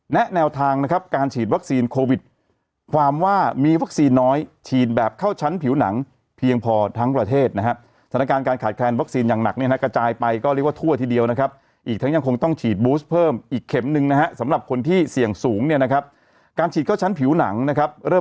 แนวทางนะครับการฉีดวัคซีนโควิดความว่ามีวัคซีนน้อยฉีดแบบเข้าชั้นผิวหนังเพียงพอทั้งประเทศนะฮะสถานการณ์การขาดแคลนวัคซีนอย่างหนักเนี่ยนะฮะกระจายไปก็เรียกว่าทั่วทีเดียวนะครับอีกทั้งยังคงต้องฉีดบูสเพิ่มอีกเข็มหนึ่งนะฮะสำหรับคนที่เสี่ยงสูงเนี่ยนะครับการฉีดเข้าชั้นผิวหนังนะครับเริ่ม